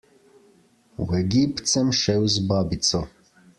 V Egipt sem šel z babico.